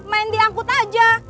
main diangkut aja